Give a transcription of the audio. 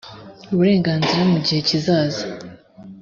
uburenganzira mu gihe kizaza